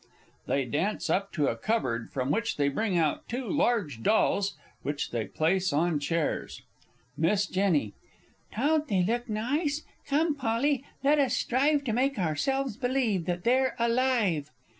[They dance up to a cupboard, from which they bring out two large Dolls, which they place on chairs. Miss J. Don't they look nice! Come, Polly, let us strive To make ourselves believe that they're alive!